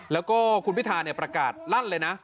แล้วก็คุณพิธาประกาศลั่นเลยนะ